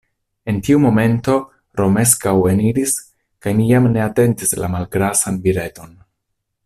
En tiu momento Romeskaŭ eniris kaj mi jam ne atentis la malgrasan vireton.